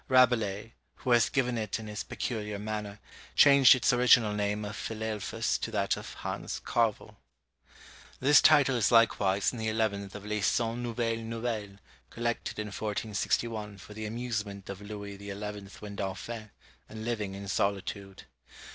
Rabelais, who has given it in his peculiar manner, changed its original name of Philelphus to that of Hans Carvel. This title is likewise in the eleventh of Les Cent Nouvelles Nouvelles collected in 1461, for the amusement of Louis XI. when Dauphin, and living in solitude.